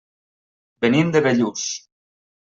Venim de Bellús.